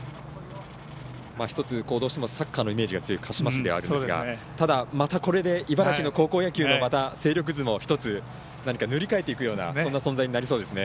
どうしてもサッカーのイメージが強い鹿嶋市であるんですがただ、またこれで茨城の高校野球の勢力図も塗り替えていくようなそんな存在になりそうですね。